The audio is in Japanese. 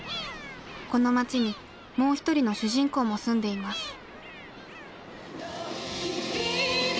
この町にもう一人の主人公も住んでいます。